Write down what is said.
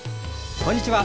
こんにちは。